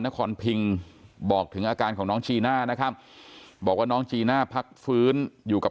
นครพิงบอกถึงอาการของน้องจีน่านะครับบอกว่าน้องจีน่าพักฟื้นอยู่กับ